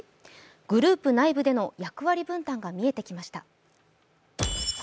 グループ内部での役割分担が見えてきました。